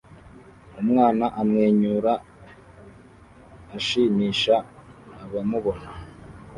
Umwana amwenyura ashimisha abamubona